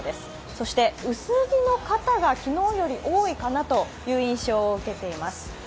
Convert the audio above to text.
そして薄着の方が昨日より多いかなという印象を受けています。